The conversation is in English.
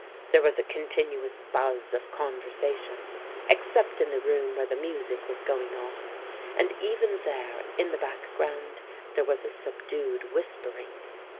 There was a continuous buzz of conversation, except in the room where the music was going on; and even there in the background there was a subdued whispering.